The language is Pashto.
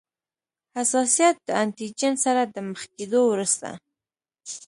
حساسیت د انټي جېن سره د مخ کیدو وروسته.